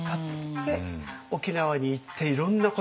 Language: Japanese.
で沖縄に行っていろんなことが。